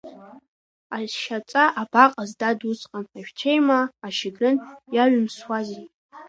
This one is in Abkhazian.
Ашьаҵа абаҟаз, дад, усҟан ажәцәеимаа ашьыгрын иаҩымсуази…